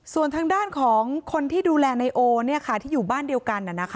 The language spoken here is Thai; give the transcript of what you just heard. ส่วนทางด้านของคนที่ดูแลนายโอที่อยู่บ้านเดียวกัน